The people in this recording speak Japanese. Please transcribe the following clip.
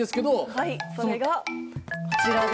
はいそれがこちらです。